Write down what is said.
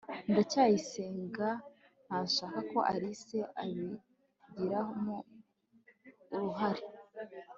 ndacyayisenga ntashaka ko alice abigiramo uruhare